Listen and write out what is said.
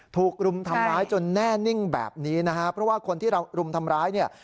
ถูกรุมทำร้ายจนแน่นิ่งแบบนี้นะฮะเพราะว่าคนที่เรารุมทำร้ายเนี่ย